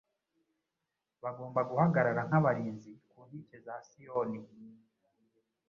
Bagomba guhagarara nk’abarinzi ku nkike za Siyoni